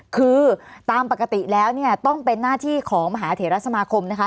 คือตามปกติแล้วเนี่ยต้องเป็นหน้าที่ของมหาเถระสมาคมนะคะ